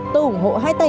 tù ủng hộ hai tầng